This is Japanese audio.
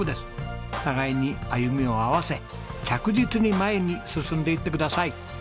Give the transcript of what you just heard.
互いに歩みを合わせ着実に前に進んでいってください！